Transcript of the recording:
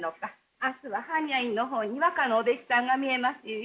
明日は般若院の方に和歌のお弟子さんが見えますゆえ。